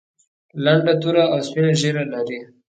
لنډه توره او سپینه ږیره لري.